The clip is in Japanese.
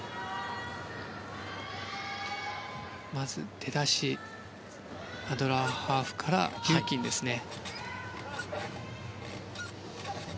まず、出だしアドラーハーフからリューキンですね。